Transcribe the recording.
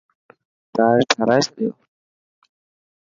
ٽائر ٺارائي ڇڏيو؟